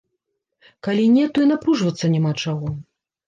Калі не, то і напружвацца няма чаго.